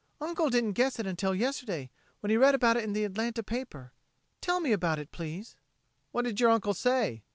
Uncle didn't guess it until yesterday when he read about it in the Atlanta paper. Tell me about it please!" "What did your uncle say?